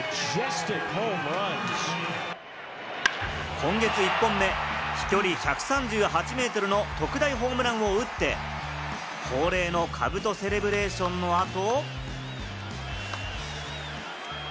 今月１本目、飛距離１３８メートルの特大ホームランを打って、恒例の兜セレブレーションの後。